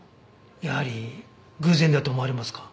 やはり偶然だと思われますか？